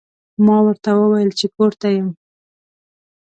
ما ورته وویل چې کور ته یم.